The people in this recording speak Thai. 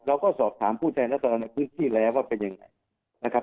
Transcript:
เราก็สอบถามผู้ใช้นักฐานในพื้นที่แล้วว่าเป็นยังไง